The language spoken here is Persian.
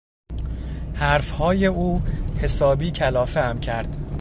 حرفهای او حسابی کلافهام کرد.